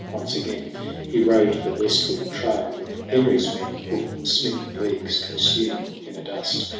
Once again He rode the westward trail with Henry's men Hoof smitten leagues consuming in a dust.